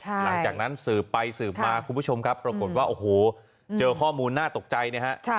หลังจากนั้นสืบไปสืบมาคุณผู้ชมครับปรากฏว่าโอ้โหเจอข้อมูลน่าตกใจนะฮะ